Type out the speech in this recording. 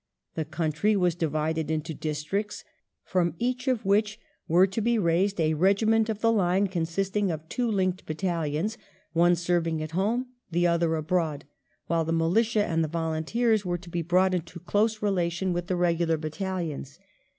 The country was divided into districts, from each of which there was to be raised a regiment of the line, consisting of two " linked " battalions, one serving at home, the other abroad, while the Militia and the Volunteers were to be brought into close relation with the regular battahons.